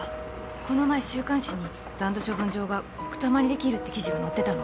この前週刊誌に残土処分場が奥多摩にできるって記事が載ってたの。